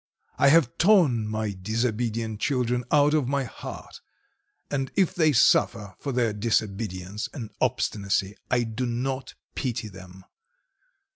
I have torn my disobedient children out of my heart, and if they suffer for their disobedience and obstinacy I do not pity them.